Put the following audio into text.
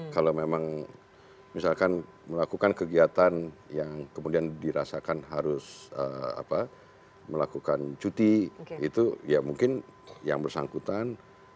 kalau memang misalkan melakukan kegiatan yang kemudian dirasakan harus melakukan cuti itu ya mungkin yang bersangkutan